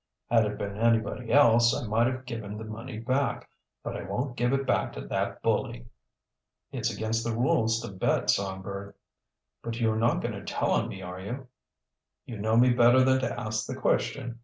"Had it been anybody else I might have given the money back. But I won't give it back to that bully." "It's against the rules to bet, Songbird." "But you are not going to tell on me, are you?" "You know me better than to ask the question.